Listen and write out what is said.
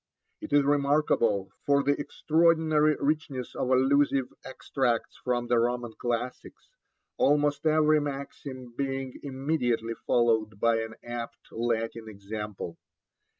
It is remarkable for the extraordinary richness of allusive extracts from the Roman classics, almost every maxim being immediately followed by an apt Latin example.